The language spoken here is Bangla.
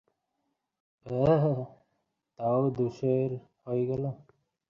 ভদ্রমহিলা সাজিয়ে রাখা সবথেকে সুন্দর টেডি বিয়ারটা বেছে নিলেন।